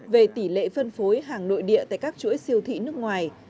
về tỷ lệ phân phối hàng nội địa tại các chuỗi siêu thị nước ngoài